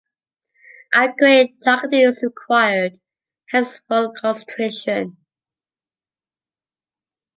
Accurate targeting is required, hence, full concentration.